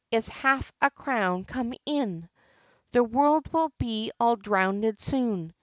It's half a crown, come in, The world will all be dhrownded soon!